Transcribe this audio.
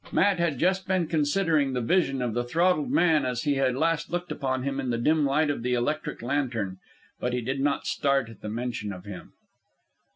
Matt had just been considering the vision of the throttled man as he had last looked upon him in the dim light of the electric lantern; but he did not start at the mention of him.